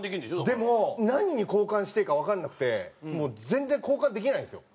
でも何に交換していいかわからなくてもう全然交換できないんですよ。